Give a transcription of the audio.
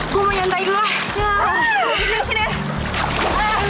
gue mau nyantai dulu